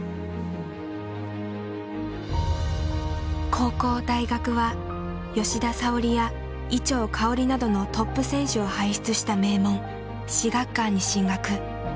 高校大学は吉田沙保里や伊調馨などのトップ選手を輩出した名門至学館に進学。